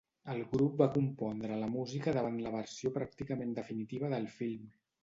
El grup va compondre la música davant la versió pràcticament definitiva del film.